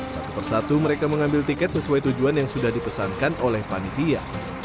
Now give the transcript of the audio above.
satu persatu mereka mengambil tiket sesuai tujuan yang sudah dipesankan oleh panitia